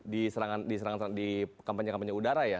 diserang di kampanye kampanye udara ya